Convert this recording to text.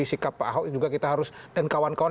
sikap pak ahok juga kita harus dan kawan kawan